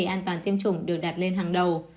an toàn tiêm chủng được đặt lên hàng đầu